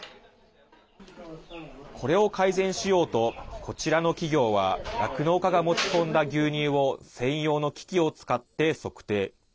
これを改善しようとこちらの企業は酪農家が持ち込んだ牛乳を専用の機器を使って測定。